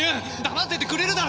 黙っててくれるだろ？